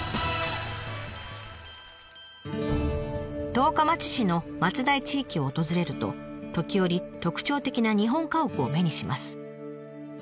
十日町市の松代地域を訪れると時折特徴的な日本家屋を目にします。